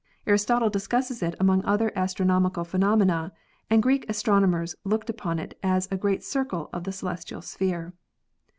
Aristotle discusses it among other astronomical phenomena, and Greek astronomers looked upon it as a great circle of the celestial sphere.